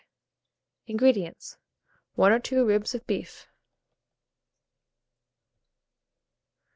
INGREDIENTS. 1 or 2 ribs of beef.